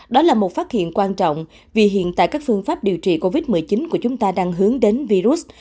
đó là một phát hiện quan trọng vì hiện tại các phương pháp điều trị covid một mươi chín của chúng ta đang hướng đến virus